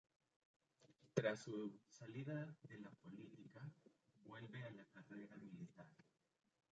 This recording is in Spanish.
Tras su salida de la política vuelve a la carrera militar.